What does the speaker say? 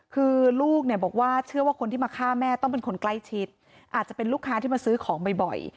คือลูกเนี่ยบอกว่าเชื่อว่าคนที่มาฆ่าแม่ต้องเป็นคนใกล้ชิดอาจจะเป็นลูกค้าที่มาซื้อของบ่อย